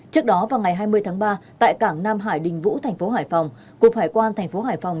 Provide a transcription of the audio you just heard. trước đó vào ngày hai mươi tháng ba tại cảng nam hải đình vũ thành phố hải phòng cục hải quan thành phố hải phòng